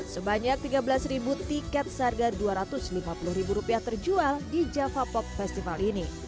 sebanyak tiga belas ribu tiket seharga dua ratus lima puluh ribu rupiah terjual di java pop festival ini